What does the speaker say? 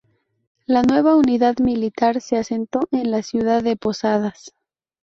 La nueva unidad militar se asentó en la ciudad de Posadas.